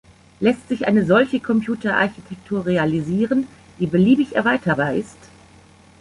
Lässt sich eine solche Computer-Architektur realisieren, die beliebig erweiterbar ist?